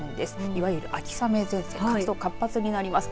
いわゆる秋雨前線活動、活発になります。